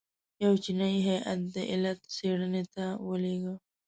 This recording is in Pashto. یو چینایي هیات د علت څېړنې ته ولېږه.